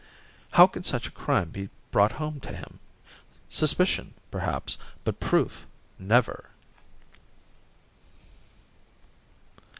How could such a crime be brought home to him? Suspicion, perhaps but proof, never!